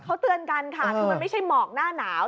เขาเตือนกันค่ะคือมันไม่ใช่หมอกหน้าหนาว